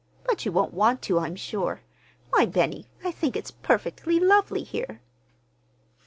"But you won't want to, I'm sure. Why, Benny, I think it's perfectly lovely here."